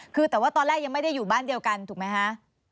คือแต่ว่าตอนแรกยังไม่ได้อยู่บ้านเดียวกันถูกไหมคะ